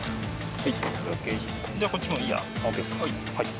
はい。